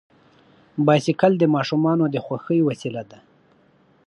بایسکل د ماشومانو د خوښۍ وسیله ده.